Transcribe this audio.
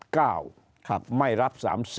ครับไม่รับ๓๐